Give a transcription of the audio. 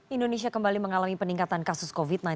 indonesia kembali mengalami peningkatan kasus covid sembilan belas